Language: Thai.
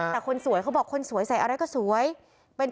เป็นลุคใหม่ที่หลายคนไม่คุ้นเคย